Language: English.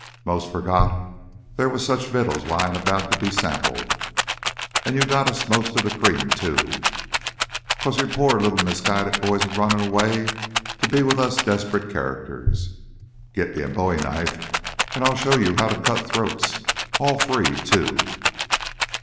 'Mos' forgot theah was such vittles lyin' 'bout to be sampled. An' you got us most of the cream, too, 'cause you're poor little misguided boys a runnin' 'way to be with us desperate characters. Git me a bowie knife, an' I'll show you how to cut throats all free, too."